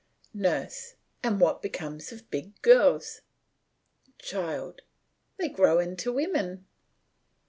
NURSE: And what becomes of big girls? CHILD: They grow into women.